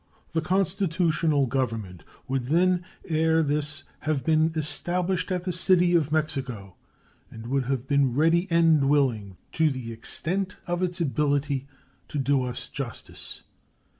The constitutional Government would then ere this have been established at the City of Mexico, and would have been ready and willing to the extent of its ability to do us justice.